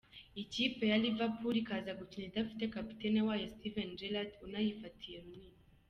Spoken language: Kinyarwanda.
Ikipe ya Liverpool ikaza gukina idafite kapiteni wayo Steven Gerard unayifatiye runini .